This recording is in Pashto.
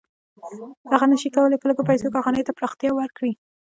هغه نشي کولی په لږو پیسو کارخانې ته پراختیا ورکړي